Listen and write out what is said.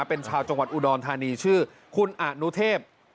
เป็นชาวจอุดอนทานีชื่อคุณอนุเทพ